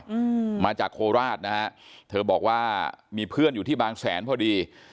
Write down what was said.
อืมมาจากโคราชนะฮะเธอบอกว่ามีเพื่อนอยู่ที่บางแสนพอดี